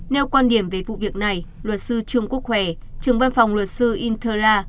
nêu quan điểm về vụ việc này luật sư trương quốc khỏe trưởng văn phòng luật sư interla